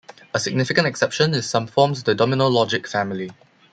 A significant exception is some forms of the domino logic family.